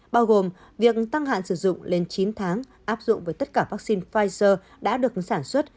bao gồm việc tăng hạn sử dụng lên chín tháng áp dụng với tất cả vaccine pfizer đã được sản xuất